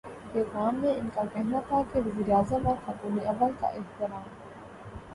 پیغام میں ان کا کہنا تھا کہ وزیرا اعظم اور خاتونِ اول کا احترام